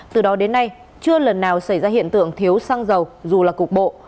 từ đó đến nay chưa lần nào xảy ra hiện tượng thiếu xăng dầu dù là cục bộ